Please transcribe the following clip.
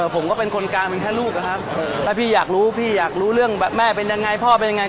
ผมก็เป็นคนกลางเป็นแค่ลูกนะครับถ้าพี่อยากรู้พี่อยากรู้เรื่องแบบแม่เป็นยังไงพ่อเป็นยังไง